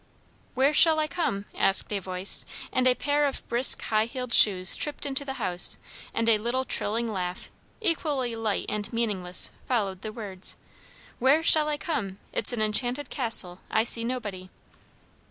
"Where shall I come?" asked a voice, and a pair of brisk high heeled shoes tripped into the house, and a little trilling laugh, equally light and meaningless, followed the words. "Where shall I come? It's an enchanted castle I see nobody."